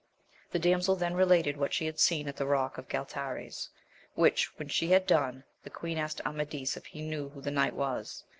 The damsel then related what she had seen at the rock of Galtares, which, when she had done, the queen asked Amadis if he knew who the knight was